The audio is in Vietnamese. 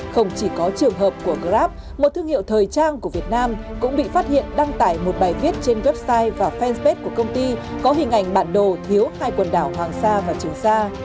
không chỉ có trường hợp của grab một thương hiệu thời trang của việt nam cũng bị phát hiện đăng tải một bài viết trên website và fanpage của công ty có hình ảnh bản đồ thiếu hai quần đảo hoàng sa và trường sa